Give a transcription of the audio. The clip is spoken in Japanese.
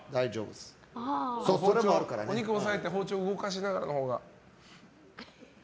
お肉押さえて包丁動かしながらのほうが。